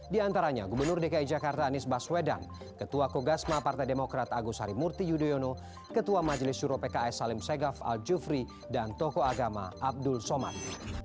di antaranya gubernur dki jakarta anies baswedan ketua kogasma partai demokrat agus harimurti yudhoyono ketua majelis juro pks salim segaf al jufri dan tokoh agama abdul somad